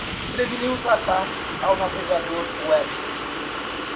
Preveniu os ataques ao navegador web